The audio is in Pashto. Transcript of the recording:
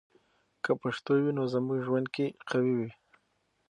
که پښتو وي، نو زموږ ژوند کې قوی وي.